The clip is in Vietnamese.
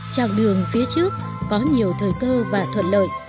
trào đường phía trước có nhiều thời cơ và thuận lợi